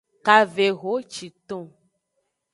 Kavehociton.